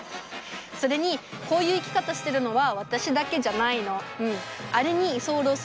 それにこういう生き方してるのは私だけじゃないの。